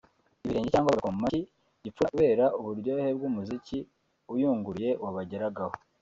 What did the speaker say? ibirenge cyangwa bagakoma mu mashyi gipfura kubera uburyohe bw’umuziki uyunguruye wabageragaho